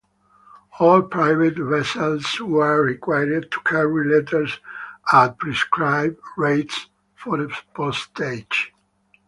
All private vessels were required to carry letters at prescribed rates for postage.